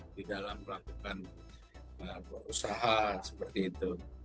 di dalam melakukan berusaha seperti itu